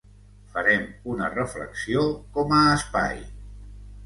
Farem una reflexió com a espai.